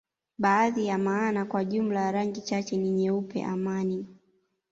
Baadhi ya maana kwa jumla ya rangi chache ni nyeupe amani